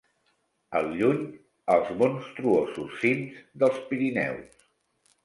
Al lluny, els monstruosos cims dels Pirineus